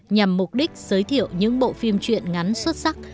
nhằm mục đích giới thiệu những bộ phim chuyện ngắn xuất sắc